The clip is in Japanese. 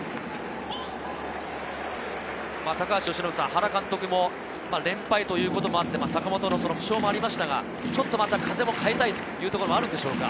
原監督も連敗ということもあって、坂本の負傷もありましたが、ちょっとまた風も変えたいというところもあるんでしょうか？